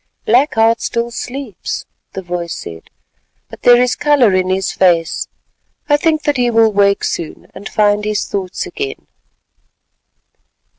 "Black Heart still sleeps," the voice said, "but there is colour in his face; I think that he will wake soon, and find his thoughts again."